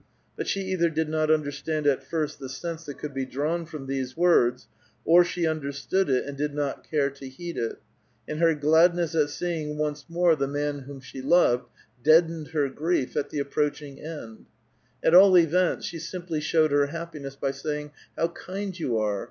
But she cither did not understand at first the sense that could be drawn from these words, or she understood it, and did not care to heed it ; and her gladness at seeing once more the man whom she loved, deadened her grief at the approaching end ; at all events, she simply showed her hap piness by saying, " How kind you are